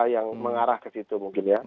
yang mengarah ke situ mungkin ya